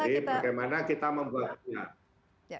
jadi bagaimana kita membuatnya